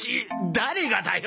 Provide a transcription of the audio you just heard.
誰がだよ！